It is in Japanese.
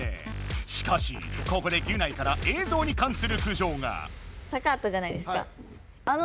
しかしここでギュナイから映像にかんするくじょうが。